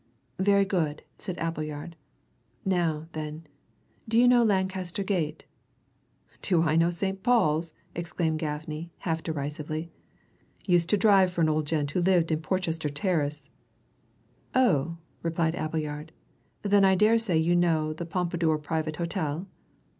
"Very good," said Appleyard. "Now, then, do you know Lancaster Gate?" "Do I know St. Paul's?" exclaimed Gaffney, half derisively. "Used to drive for an old gent who lived in Porchester Terrace." "Oh!" replied Appleyard. "Then I daresay you know the Pompadour Private Hotel?"